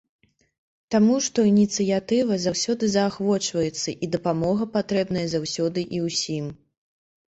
Таму што ініцыятыва заўсёды заахвочваецца і дапамога патрэбная заўсёды і ўсім.